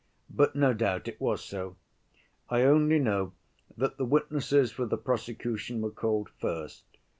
But no doubt it was so. I only know that the witnesses for the prosecution were called first.